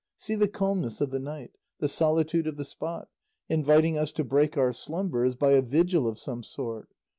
See the calmness of the night, the solitude of the spot, inviting us to break our slumbers by a vigil of some sort.